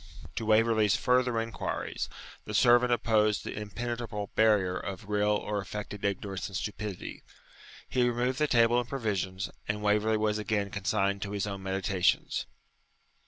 To Waverley's further inquiries, the servant opposed the impenetrable barrier of real or affected ignorance and stupidity. He removed the table and provisions, and Waverley was again consigned to his own meditations.